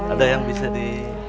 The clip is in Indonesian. ada yang bisa di